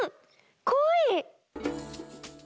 こい！